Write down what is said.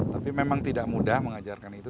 tapi memang tidak mudah mengajarkan itu